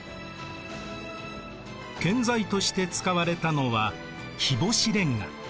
建材として使われたのは日干しレンガ。